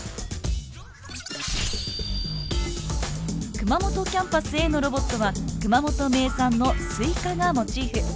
熊本キャンパスＡのロボットは熊本名産のスイカがモチーフ。